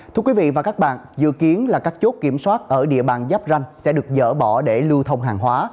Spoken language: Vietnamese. thưa quý vị và các bạn dự kiến là các chốt kiểm soát ở địa bàn giáp ranh sẽ được dỡ bỏ để lưu thông hàng hóa